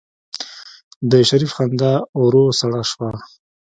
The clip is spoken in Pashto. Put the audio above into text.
د شريف خندا ورو سړه شوه.